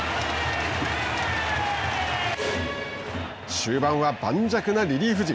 終盤は盤石なリリーフ陣。